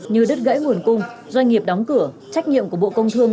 như đứt gãy nguồn cung doanh nghiệp đóng cửa trách nhiệm của bộ công thương